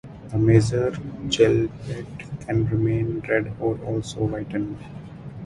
The major cheliped can remain red or also whiten.